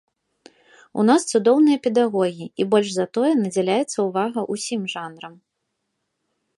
У нас цудоўныя педагогі, і, больш за тое, надзяляецца ўвага ўсім жанрам.